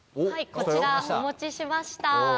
こちらお持ちしました。